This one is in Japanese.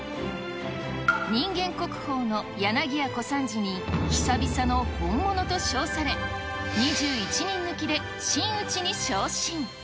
人間国宝の柳家小三治に、久々の本物と称され、２１人抜きで真打に昇進。